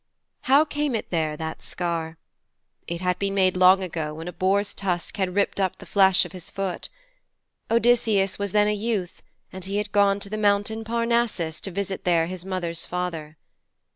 How came it there, that scar? It had been made long ago when a boar's tusk had ripped up the flesh of his foot. Odysseus was then a youth, and he had gone to the mountain Parnassus to visit there his mother's father.